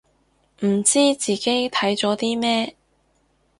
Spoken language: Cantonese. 唔知自己睇咗啲咩